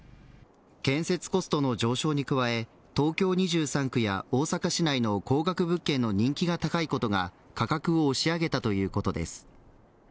建設コストの上昇に加え東京２３区や大阪市内の高額物件の人気が高いことが価格を押し上げたということです。